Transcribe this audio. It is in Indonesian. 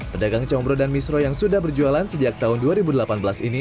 pedagang combro dan misro yang sudah berjualan sejak tahun dua ribu delapan belas ini